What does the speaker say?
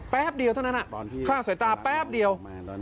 แป๊บเดียวเท่านั้นคลาดสายตาแป๊บเดียว